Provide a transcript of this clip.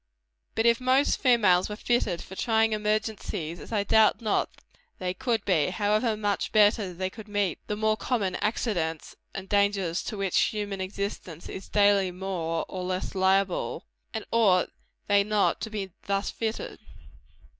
] But if most females were fitted for trying emergencies, as I doubt not they could be, how much better they could meet the more common accidents and dangers to which human existence is daily more or less liable. And ought they not to be thus fitted?